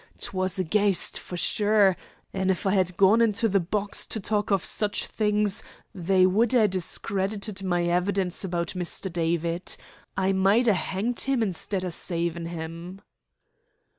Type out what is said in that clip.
'Twas a ghaist for sure, an' if I had gone into the box to talk of such things they wad hae discredited my evidence about Mr. David. I might hae hanged him instead o' savin' him."